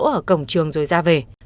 ở cổng trường rồi ra về